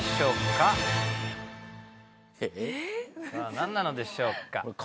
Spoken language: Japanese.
さあ何なのでしょうか？